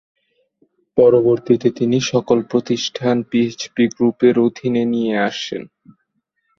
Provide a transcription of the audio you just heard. পরবর্তীতে তিনি সকল প্রতিষ্ঠান পিএইচপি গ্রুপের অধীনে নিয়ে আসেন।